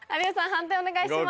判定お願いします。